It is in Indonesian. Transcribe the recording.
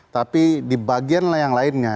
tapi di bagian yang lainnya